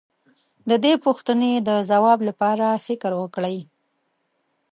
د دې پوښتنې د ځواب لپاره فکر وکړئ.